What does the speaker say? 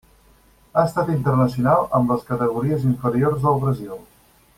Ha estat internacional amb les categories inferiors del Brasil.